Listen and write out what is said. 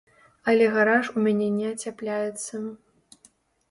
Але гараж у мяне не ацяпляецца.